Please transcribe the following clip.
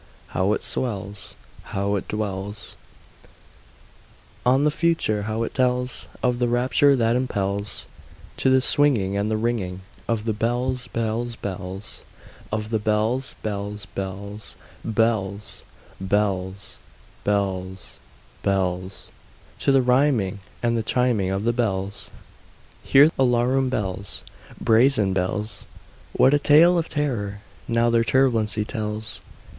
How it swells! How it dwells On the Future!—how it tells Of the rapture that impels To the swinging and the ringing Of the bells, bells, bells— Of the bells, bells, bells, bells, Bells, bells, bells— To the rhyming and the chiming of the bells! III. Hear the loud alarum bells— Brazen bells! What a tale of terror now their turbulency tells!